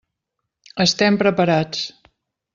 Estem preparats.